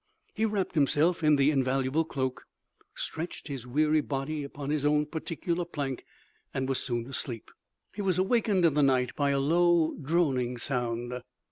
He wrapped himself in the invaluable cloak, stretched his weary body upon his own particular plank, and was soon asleep. He was awakened in the night by a low droning sound.